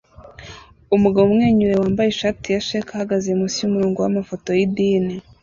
Umugabo umwenyura wambaye ishati ya cheque ahagaze munsi yumurongo wamafoto yidini